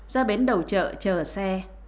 ra bến đầu chợ chở xe